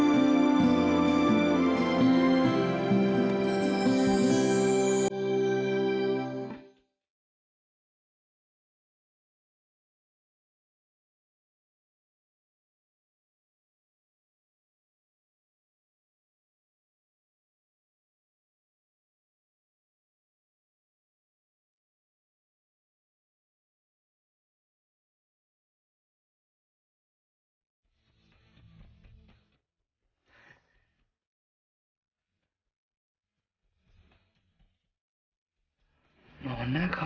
nona mau pergi kemana ya